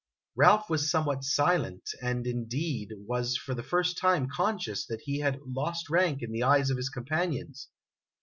Ralph was some what silent, and, indeed, was for the first time conscious that he had lost rank in the eyes of his companions.